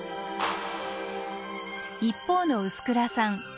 一方の臼倉さん。